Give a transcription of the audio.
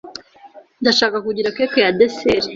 Ndashaka kugira cake ya dessert.